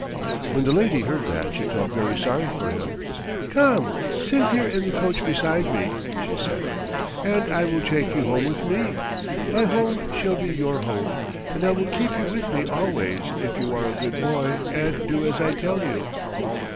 When the lady heard that she felt very sorry for him. "Come; sit here in the coach beside me," she said, "and I will take you home with me. My home shall be your home, and I will keep you with me always if you are a good boy and do as I tell you."